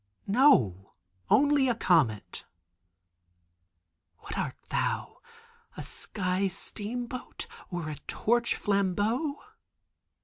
No, only a comet! "What art thou—a sky steamboat, or a torch flambeau?